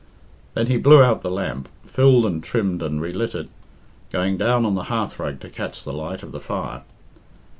Then he blew out the lamp, filled and trimmed and relit it, going down on the hearthrug to catch the light of the fire.